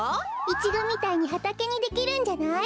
イチゴみたいにはたけにできるんじゃない？